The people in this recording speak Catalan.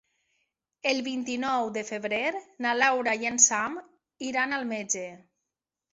El vint-i-nou de febrer na Laura i en Sam iran al metge.